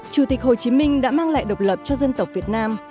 chủ tịch hồ chí minh đã mang lại độc lập cho dân tộc việt nam